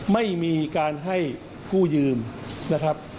ไม่มีการให้กู้ยืมนะครับ